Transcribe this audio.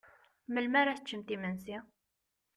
Melmi ara teččent imensi?